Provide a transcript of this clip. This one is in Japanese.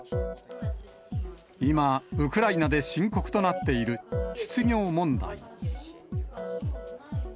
今、ウクライナで深刻となっている失業問題。